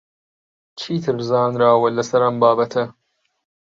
چیتر زانراوە لەسەر ئەم بابەتە؟